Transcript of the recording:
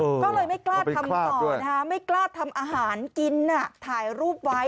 ก็เลยไม่กล้าทำต่อนะฮะไม่กล้าทำอาหารกินน่ะถ่ายรูปไว้